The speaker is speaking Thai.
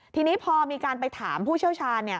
ทีนี้พอมีการไปถามผู้เชี่ยวชาญ